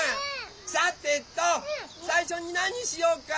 さてとさいしょになにしようか？